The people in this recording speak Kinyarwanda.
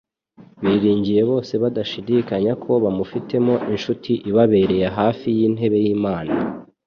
Biringiye bose badashidikanya ko bamufitemo Inshuti ibabereye hafi y'intebe y'Imana